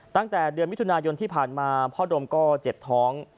ตั้งแต่เดือนมิถุนายนที่ผ่านมาพ่อดมก็เจ็บท้อง